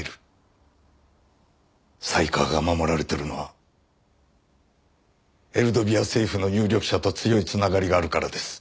犀川が守られているのはエルドビア政府の有力者と強いつながりがあるからです。